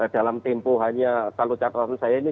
dalam tempo hanya kalau catatan saya ini